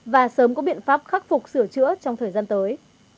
và sớm có biện pháp khắc phục sửa chữa trong thời gian tới